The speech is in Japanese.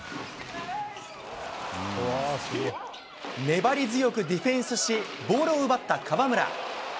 粘り強くディフェンスし、ボールを奪った河村。